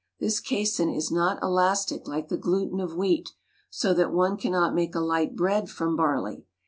This casin is not elastic like the gluten of wheat, so that one cannot make a light bread from barley.